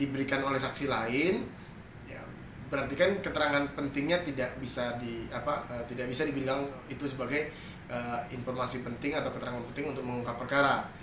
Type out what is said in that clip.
berarti kan keterangan pentingnya tidak bisa dibilang itu sebagai informasi penting atau keterangan penting untuk mengungkap perkara